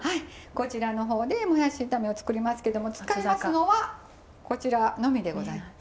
こちらの方でもやし炒めを作りますけども使いますのはこちらのみでございます。